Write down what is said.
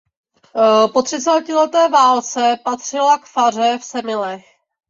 Po třicetileté válce patřila k faře v Semilech.